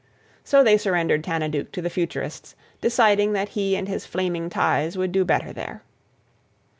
So they surrendered Tanaduke to the futurists, deciding that he and his flaming ties would do better there.